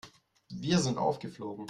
Wir sind aufgeflogen.